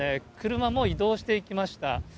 車もう、移動していきました。